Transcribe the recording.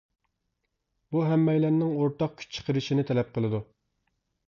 بۇ ھەممەيلەننىڭ ئورتاق كۈچ چىقىرىشىنى تەلەپ قىلىدۇ.